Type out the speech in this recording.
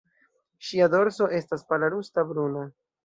Ŝia dorso estas pala rusta-bruna.